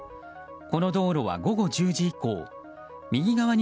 この道路は午後１０時以降右側